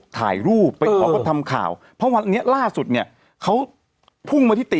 ถ่ายรูปไปขอคนทำข่าวเพราะวันนี้ล่าสุดเนี่ยเขาพุ่งมาที่ติ